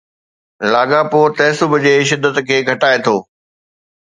لاڳاپو تعصب جي شدت کي گھٽائي ٿو.